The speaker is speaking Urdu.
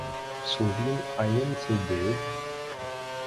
سوڈئیم آئن سے ب